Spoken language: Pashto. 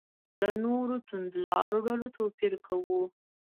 له نورو توندلارو ډلو توپیر کړو.